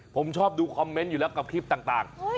ผมชอบดูคอมเมนต์อยู่แล้วกับคลิปต่าง